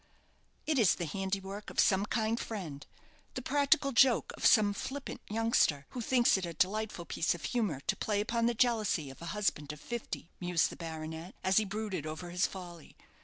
"It is the handiwork of some kind friend; the practical joke of some flippant youngster, who thinks it a delightful piece of humour to play upon the jealousy of a husband of fifty," mused the baronet, as he brooded over his folly.